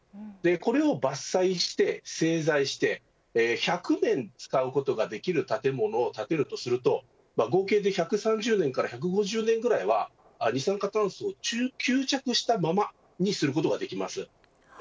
これを伐採して製材して１００年使うことができる建物を建てるとすると合計で１３０年から１５０年ぐらいは二酸化炭素を吸着したままにすることができます。